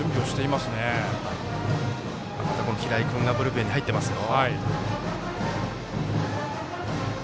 また平井君がブルペンに入ってますよ。